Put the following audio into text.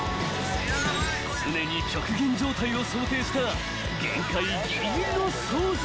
［常に極限状態を想定した限界ぎりぎりの操縦］